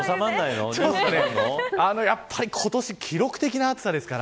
やっぱり今年は記録的な暑さですから。